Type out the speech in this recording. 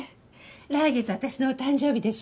来月私のお誕生日でしょ。